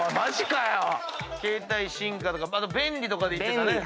「携帯」「進化」とかあと「便利」とかでいってたね。